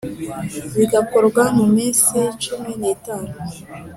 bigakorwa mu minsi cumi n itanu